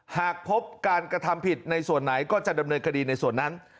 หากพบการกระทำผิดในส่วนไหนก็จะดำเนินคดีในส่วนนั้น